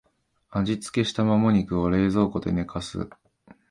味付けしたモモ肉を冷蔵庫で寝かす